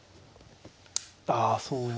ああそうか。